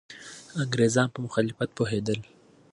انګریزان په مخالفت پوهېدل.